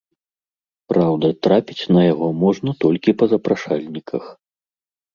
Праўда, трапіць на яго можна толькі па запрашальніках.